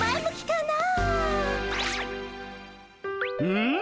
うん？